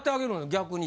逆に。